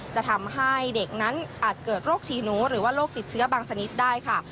จะทำให้เด็กนั้นอาจเกิดโรคชีหนูหรือว่าโรคติดเชื้อบางชนิดได้ค่ะ